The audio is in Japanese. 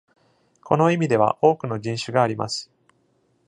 この意味では、多くの人種があります。